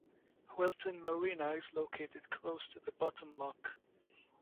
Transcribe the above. Whilton Marina is located close to the bottom lock.